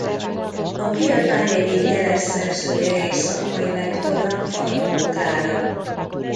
A kiadvány egyik jeles szerzője és szakmai lektora Faragó Klára.